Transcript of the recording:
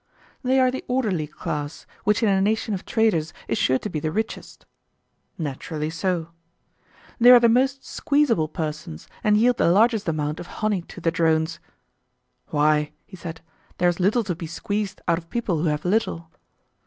They are the orderly class, which in a nation of traders is sure to be the richest. Naturally so. They are the most squeezable persons and yield the largest amount of honey to the drones. Why, he said, there is little to be squeezed out of people who have little.